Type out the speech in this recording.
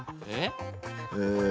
えっ？